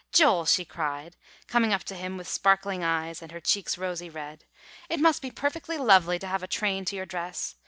"Joel," she cried, coming up to him, with sparkling eyes and her cheeks rosy red, "it must be perfectly lovely to have a train to your dress.